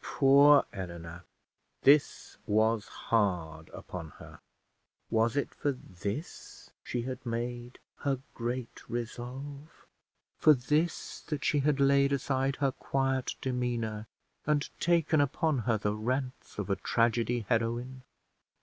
Poor Eleanor! this was hard upon her. Was it for this she had made her great resolve! For this that she had laid aside her quiet demeanour, and taken upon her the rants of a tragedy heroine!